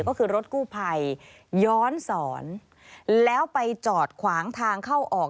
ก็คือรถกู้ภัยย้อนสอนแล้วไปจอดขวางทางเข้าออก